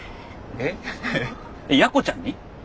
えっやこちゃんに？